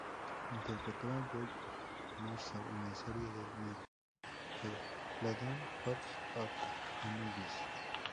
Interpretó a Joy Mercer en la serie de Nickelodeon, "House of Anubis".